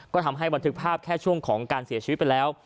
ก็ทำให้บันทึกภาพแค่ช่วงของการเสียชีวิตไปแล้ว